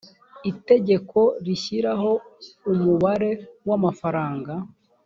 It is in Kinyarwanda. itegeko rishyiraho umubare w amafaranga